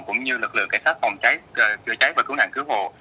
cũng như lực lượng cảnh sát phòng cháy cơ cháy và cứu nạn cứu hồ